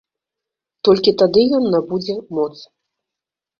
Толькі тады ён набудзе моц.